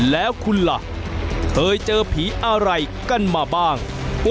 แล้วคุณล่ะเคยเจอผีอะไรกันมาบ้าง